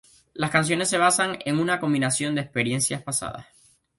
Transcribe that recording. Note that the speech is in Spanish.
Las canciones se basan en una combinación de experiencias pasadas.